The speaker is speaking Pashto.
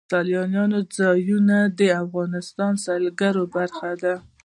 سیلانی ځایونه د افغانستان د سیلګرۍ برخه ده.